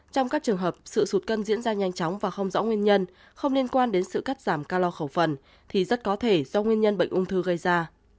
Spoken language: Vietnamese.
trong các trường hợp sự sụt cân diễn ra nhanh chóng và không rõ nguyên nhân không liên quan đến sự cắt giảm ca lo khẩu phần thì rất có thể do nguyên nhân bệnh ung thư gây ra